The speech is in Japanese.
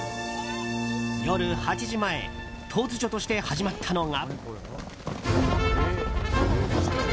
夜８時前突如として始まったのが。